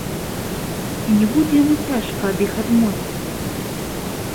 Ці не будзе яму цяжка ад іх адмовіцца?